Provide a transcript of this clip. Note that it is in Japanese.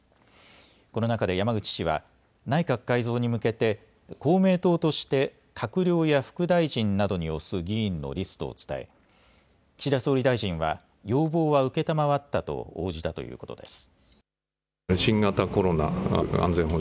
この中で山口氏は内閣改造に向けて公明党として閣僚や副大臣などに推す議員のリストを伝え岸田総理大臣は要望は承ったと応じたということです。